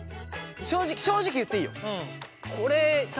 正直正直言っていいよ。